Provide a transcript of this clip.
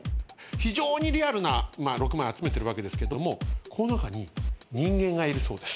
非常にリアルな６枚集めてるわけですけどもこの中に人間がいるそうです。